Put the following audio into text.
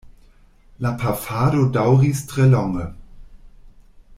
La pafado daŭris tre longe.